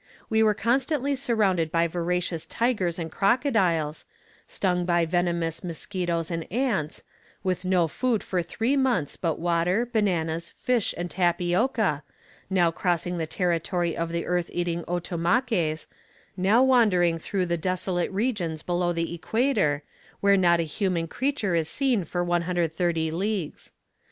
We were constantly surrounded by voracious tigers and crocodiles, stung by venomous mosquitoes and ants, with no food for three months but water, bananas, fish, and tapioca, now crossing the territory of the earth eating Otomaques, now wandering through the desolate regions below the equator, where not a human creature is seen for 130 leagues.